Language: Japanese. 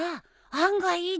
案外いいでしょ